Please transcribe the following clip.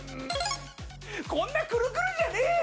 こんなくるくるじゃねえよ！